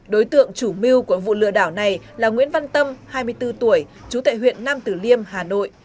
đối tượng chủ mưu của vụ lừa đảo này là nguyễn văn tâm hai mươi bốn tuổi chú tại huyện nam tử liêm hà nội